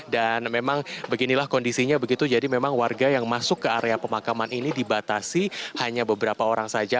dan memang beginilah kondisinya begitu jadi memang warga yang masuk ke area pemakaman ini dibatasi hanya beberapa orang saja